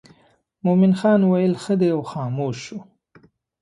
مومن خان ویل ښه دی او خاموش شو.